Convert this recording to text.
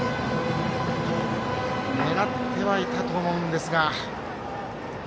狙ってはいたと思うんですが。